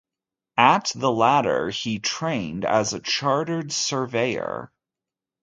At the latter, he trained as a chartered surveyor.